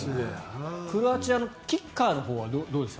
クロアチアのキッカーのほうはどうですか？